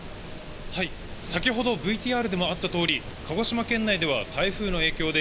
先ほどＶＴＲでもあった通り、鹿児島県内では台風の影響で